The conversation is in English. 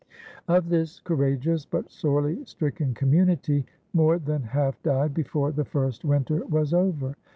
Of this courageous but sorely stricken community more than half died before the first winter was over.